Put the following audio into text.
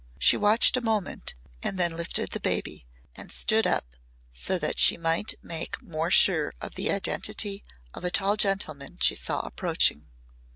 She watched a moment and then lifted the baby and stood up so that she might make more sure of the identity of a tall gentleman she saw approaching.